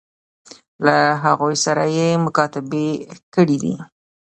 له هغوی سره یې مکاتبې کړي دي.